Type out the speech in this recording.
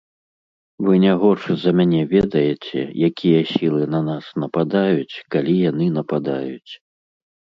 Вы не горш за мяне ведаеце, якія сілы на нас нападаюць, калі яны нападаюць.